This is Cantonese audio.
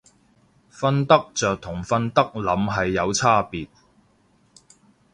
瞓得着同瞓得稔係有差別